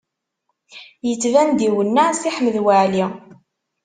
Yettban-d iwenneɛ Si Ḥmed Waɛli.